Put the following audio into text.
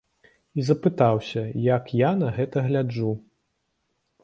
І запытаўся, як я на гэта гляджу.